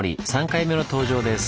３回目の登場です。